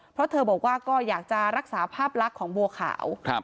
เพราะเธอบอกว่าก็อยากจะรักษาภาพลักษณ์ของบัวขาว